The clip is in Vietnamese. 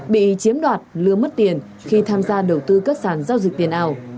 bị chiếm đoạt lừa mất tiền khi tham gia đầu tư các sản giao dịch tiền ảo